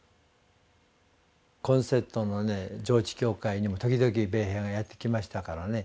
コンセットの上地教会にも時々米兵がやって来ましたからね